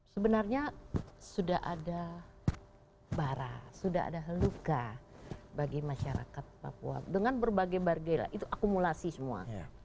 sebenarnya sudah ada bara sudah ada luka bagi masyarakat papua dengan berbagai bargeila itu akumulasi semua